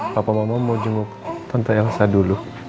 papa mama mau cenguk tante elsa dulu